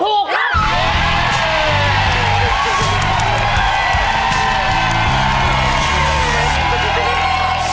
ถูกครับ